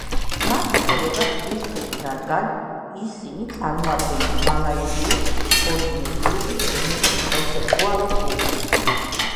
მათ ეწოდებათ ბირთვული რადგან ისისნი წარმოადგენენ მალაიურ-პოლინეზიური ენების კონცეპტუალურ გულს.